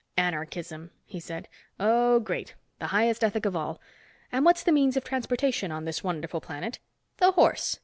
"Anarchism!" he said. "Oh, great. The highest ethic of all. And what's the means of transportation on this wonderful planet? The horse.